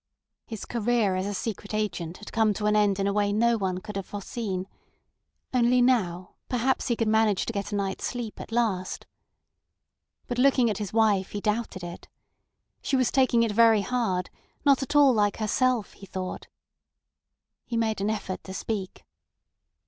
His career as a secret agent had come to an end in a way no one could have foreseen; only, now, perhaps he could manage to get a night's sleep at last. But looking at his wife, he doubted it. She was taking it very hard—not at all like herself, he thought. He made an effort to speak.